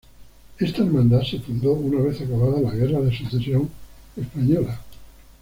Esta hermandad se fundó una vez acabada la Guerra de Sucesión Española.